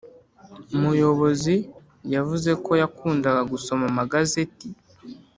muyobozi yavuze ko yakundaga gusoma amagazeti